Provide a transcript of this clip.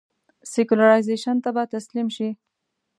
سیکولرایزېشن ته به تسلیم شي.